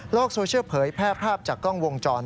โซเชียลเผยแพร่ภาพจากกล้องวงจร